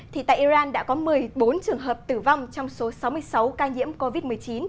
thì tại iran đã có một mươi bốn trường hợp tử vong trong số sáu mươi sáu ca nhiễm covid một mươi chín